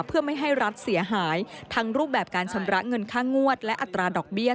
เพื่อไม่ให้รัฐเสียหายทั้งรูปแบบการชำระเงินค่างวดและอัตราดอกเบี้ย